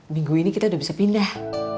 minggu ini kita sudah bisa pindah